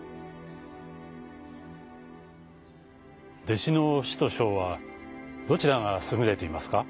「弟子の師と商はどちらがすぐれていますか？」。